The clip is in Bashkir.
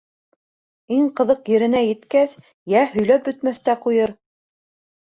Иң ҡыҙыҡ еренә еткәс йә һөйләп бөтмәҫ тә ҡуйыр.